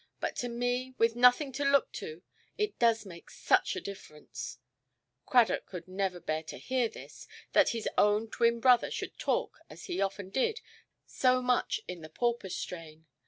But to me, with nothing to look to, it does make such a difference". Cradock never could bear to hear this—that his own twin–brother should talk, as he often did, so much in the pauper strain.